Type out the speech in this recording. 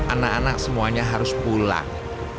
anak anak semuanya harus pulang